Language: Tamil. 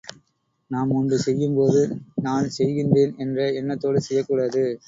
நாம் ஒன்றைச் செய்யும்போது, நான் செய்கின்றேன் என்ற எண்ணத்தோடு செய்யக்கூடாது.